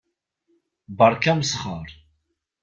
Berka amesxer.